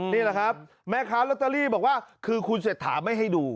นี่แหละครับแม่ค้าลอตเตอรี่บอกว่าคือคุณเศรษฐาไม่ให้ดู